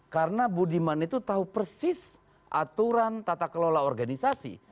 karena budiman itu tahu persis aturan tata kelola organisasi